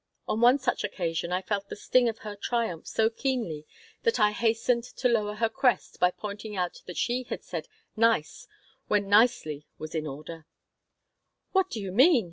On one such occasion I felt the sting of her triumph so keenly that I hastened to lower her crest by pointing out that she had said "nice" where "nicely" was in order "What do you mean?"